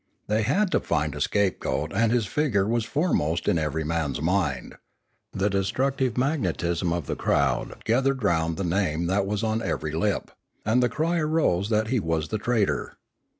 They had to find a scapegoat and his figure was foremost in every man's mind; the destructive magnetism of the crowd gathered round the name that was on every lip, and the cry arose that he was the traitor.